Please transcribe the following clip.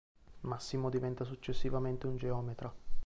Massimo diventa successivamente un geometra.